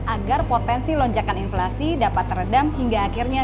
agar potensi lonjakan inflasi dapat teredam hingga akhirnya